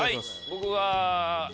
僕は。